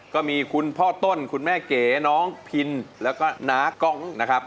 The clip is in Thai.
ก็มีคุณพ่อต้นคุณแม่เก๋น้องพินแล้วก็น้ากล้องนะครับ